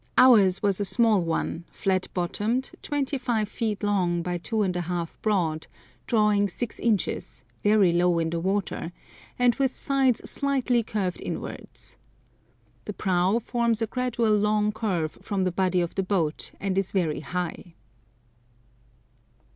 Ours was a small one, flat bottomed, 25 feet long by 2½ broad, drawing 6 inches, very low in the water, and with sides slightly curved inwards. The prow forms a gradual long curve from the body of the boat, and is very high.